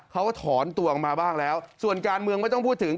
เขาก็ถอนตัวออกมาบ้างแล้วส่วนการเมืองไม่ต้องพูดถึง